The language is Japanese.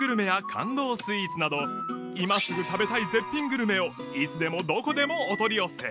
スイーツなど今すぐ食べたい絶品グルメをいつでもどこでもお取り寄せ